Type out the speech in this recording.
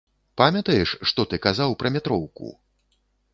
Памятаеш, што ты казаў пра метроўку?